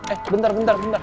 eh bentar bentar bentar